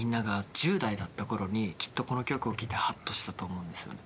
１０代だった頃にきっとこの曲を聴いてハッとしたと思うんですよね。